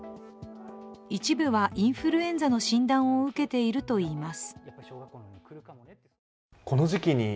一部はインフルエンザの診断を受けているといいます。